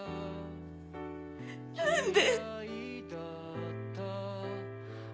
何で。